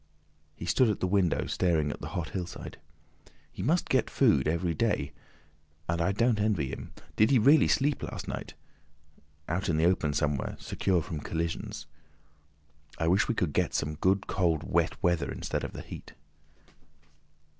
He stood at the window staring at the hot hillside. "He must get food every day—and I don't envy him. Did he really sleep last night? Out in the open somewhere—secure from collisions. I wish we could get some good cold wet weather instead of the heat.